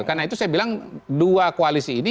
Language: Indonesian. karena itu saya bilang dua koalisi ini